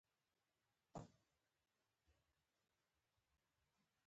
ځینې ونې تل شنې وي